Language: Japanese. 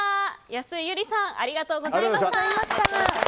安井友梨さんありがとうございました。